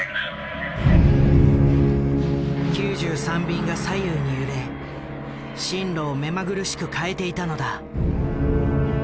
９３便が左右に揺れ進路を目まぐるしく変えていたのだ。